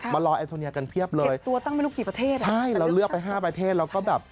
มารอแอนโทเนียกันเพียบเลยใช่แล้วเลือกไป๕ประเทศแล้วก็แบบ